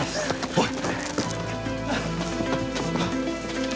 おい。